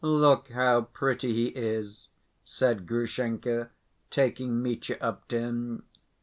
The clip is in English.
"Look how pretty he is," said Grushenka, taking Mitya up to him.